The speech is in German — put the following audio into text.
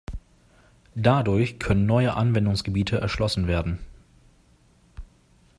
Dadurch können neue Anwendungsgebiete erschlossen werden.